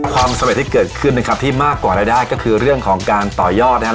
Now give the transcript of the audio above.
ความสำเร็จที่เกิดขึ้นนะครับที่มากกว่ารายได้ก็คือเรื่องของการต่อยอดนะครับ